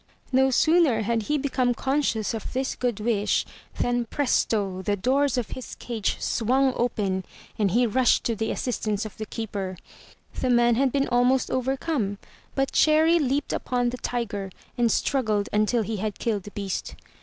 No sooner had he become conscious of this good wish, than presto! the doors of his cage swung open and he rushed to the assistance of the keeper. The man had been almost overcome, but Cherry leaped upon the tiger and struggled until he had killed the beast.